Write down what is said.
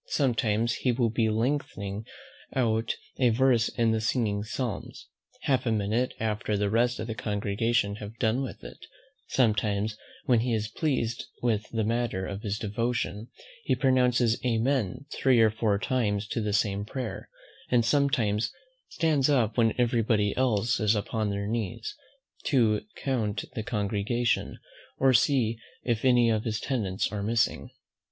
Sometimes he will be lengthening out a verse in the singing psalms, half a minute after the rest of the congregation have done with it; sometimes, when he is pleased with the matter of his devotion, he pronounces Amen three or four times to the same prayer; and sometimes stands up when every body else is upon their knees, to count the congregation, or see if any of his tenants are missing.